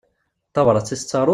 D tabrat i tettaruḍ?